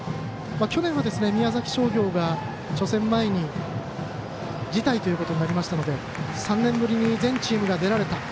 去年は宮崎商業が初戦前に辞退ということになりましたので３年ぶりに全チームが出られた。